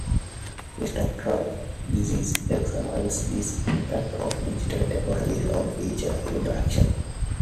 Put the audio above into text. His doctoral thesis examines the impact of digital technologies on feature film production.